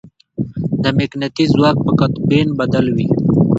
د مقناطیس ځواک په قطبین بدل وي.